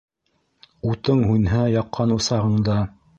Утың һүнһә яҡҡан усағыңда